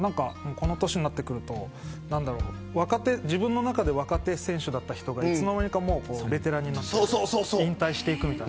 この年になってくると自分の中で若手選手だった人がいつの間にかベテランになって引退していく。